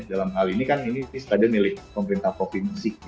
dalam hal ini kan ini stadion milik pemerintah provinsi